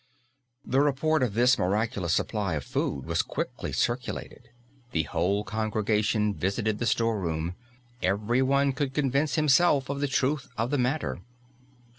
The report of this miraculous supply of food was quickly circulated. The whole congregation visited the store room; everyone could convince himself of the truth of the matter.